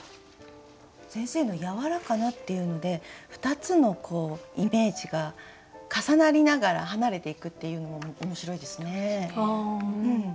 先生の「やわらかな」っていうので２つのイメージが重なりながら離れていくっていうのも面白いですね。